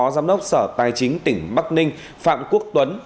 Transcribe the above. giám đốc sở tài chính tỉnh bắc ninh phạm quốc tuấn